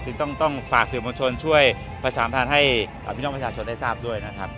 ต้องฝากสื่อมวลชนช่วยประสานทางให้พี่น้องประชาชนได้ทราบด้วยนะครับ